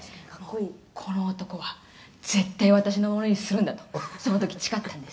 「この男は絶対私のものにするんだとその時誓ったんです」